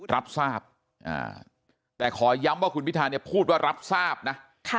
รับทราบแต่ขอย้ำว่าคุณพิธาเนี่ยพูดว่ารับทราบนะ